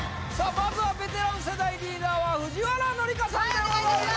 まずはベテラン世代リーダーは藤原紀香さんでございます